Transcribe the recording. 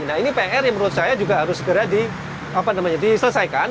nah ini pr yang menurut saya juga harus segera diselesaikan